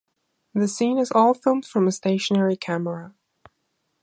The scene is all filmed from a stationary camera.